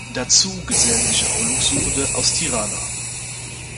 Dazu gesellen sich Erholungssuchende aus Tirana.